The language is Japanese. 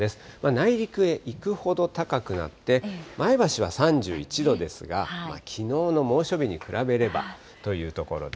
内陸へ行くほど高くなって、前橋は３１度ですが、きのうの猛暑日に比べればというところで。